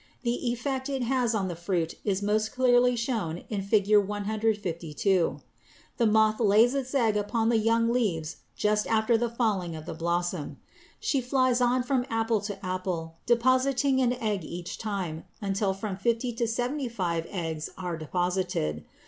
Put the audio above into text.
The effect it has on the fruit is most clearly seen in Fig. 152. The moth lays its egg upon the young leaves just after the falling of the blossom. She flies on from apple to apple, depositing an egg each time until from fifty to seventy five eggs are deposited.